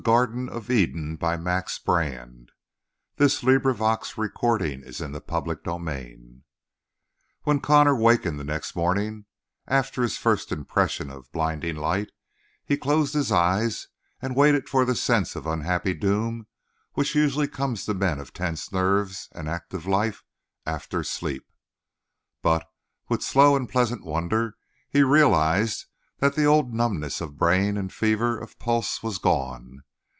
"I'm glad I know some one in Lukin," said Connor. "Good night, again." CHAPTER FOUR When Connor wakened the next morning, after his first impression of blinding light, he closed his eyes and waited for the sense of unhappy doom which usually comes to men of tense nerves and active life after sleep; but, with slow and pleasant wonder, he realized that the old numbness of brain and fever of pulse was gone.